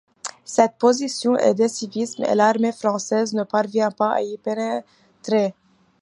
Cette position est décisive et l'armée française ne parvient pas à y pénétrer.